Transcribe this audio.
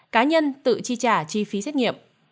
cá nhân tự chi trả chi phí xét nghiệm